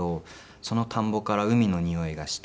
その田んぼから海のにおいがして。